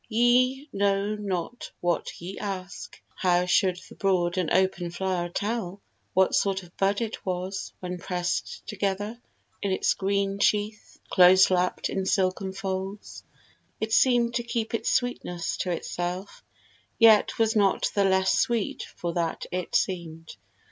Ye know not what ye ask. How should the broad and open flower tell What sort of bud it was, when press'd together In its green sheath, close lapt in silken folds? It seemed to keep its sweetness to itself, Yet was not the less sweet for that it seem'd.